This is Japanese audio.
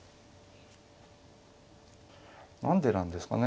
何でなんですかね。